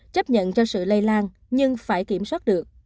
chấp nhận cho sự lây lan nhưng phải kiểm soát được